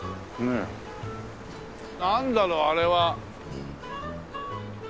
なんだろう？あれは。